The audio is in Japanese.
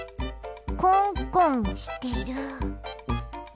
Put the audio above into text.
コンコンしてる。